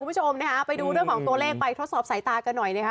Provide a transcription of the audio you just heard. คุณผู้ชมนะคะไปดูเรื่องของตัวเลขไปทดสอบสายตากันหน่อยนะคะ